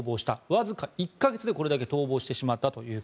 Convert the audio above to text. わずか１か月でこれだけ逃亡してしまったと。